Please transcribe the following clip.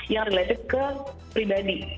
yang related ke pribadi